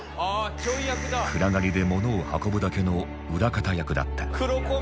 暗がりで物を運ぶだけの裏方役だった